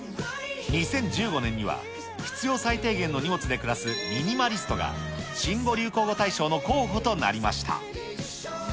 ２０１５年には、必要最低限の荷物で暮らすミニマリストが、新語・流行語大賞の候え？